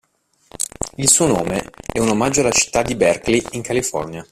Il suo nome è un omaggio alla città di Berkeley, in California.